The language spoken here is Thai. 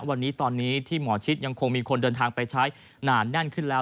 วันนี้ตอนนี้ที่หมอชิดยังคงมีคนเดินทางไปใช้หนานแน่นขึ้นแล้ว